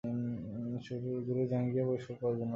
গুরুর জাঙ্গিয়া পরিষ্কার করার জন্য নয়।